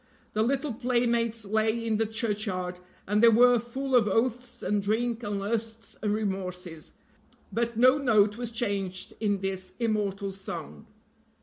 The little playmates lay in the churchyard, and they were full of oaths and drink and lusts and remorses but no note was changed in this immortal song.